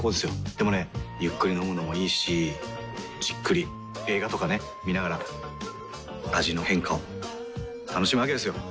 でもねゆっくり飲むのもいいしじっくり映画とかね観ながら味の変化を楽しむわけですよ。